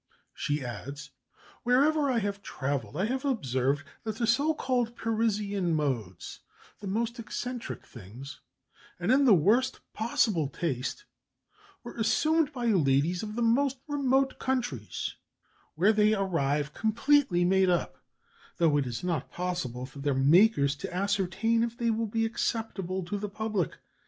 She adds, "Wherever I have travelled I have observed that the so called Parisian modes, the most eccentric things and in the worst possible taste, were assumed by ladies of the most remote countries, where they arrive completely made up, though it is not possible for their makers to ascertain if they will be acceptable to the public.